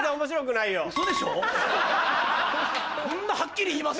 そんなはっきり言います？